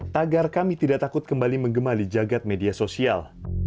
tagar kami tidak takut kembali mengemali jagad media sosial